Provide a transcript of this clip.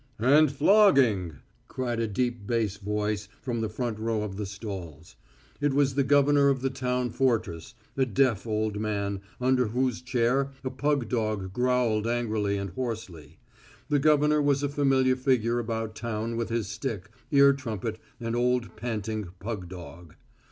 "And flogging!" cried a deep bass voice from the front row of the stalls. It was the governor of the town fortress, a deaf old man, under whose chair a pug dog growled angrily and hoarsely. The governor was a familiar figure about town with his stick, ear trumpet, and old panting pug dog.